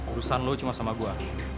urusan lu cuma sama gua